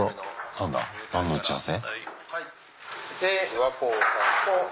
何の打ち合わせ？